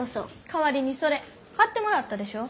代わりにそれ買ってもらったでしょ。